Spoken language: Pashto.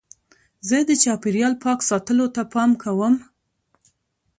زه د چاپېریال پاک ساتلو ته پام کوم.